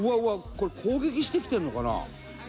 これ攻撃してきてるのかな？」